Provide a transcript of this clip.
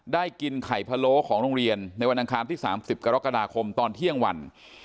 ได้กินไข่พะโล้ของโรงเรียนในวันอังคารที่๓๐กรกฎาคมตอนเที่ยงวัน